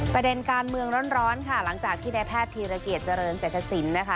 ประเด็นการเมืองร้อนค่ะหลังจากที่ในแพทย์ธีรเกียจเจริญเศรษฐศิลป์นะคะ